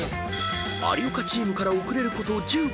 ［有岡チームから遅れること１５分］